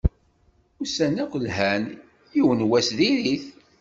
Ussan akk lhan, yiwen n wass dir-it.